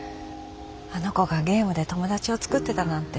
あの子がゲームで友達を作ってたなんて。